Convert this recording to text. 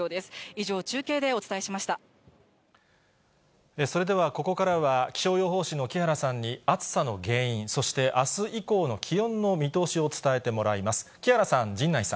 以上、それではここからは、気象予報士の木原さんに、暑さの原因、そしてあす以降の気温の見通しを伝えてもらいます。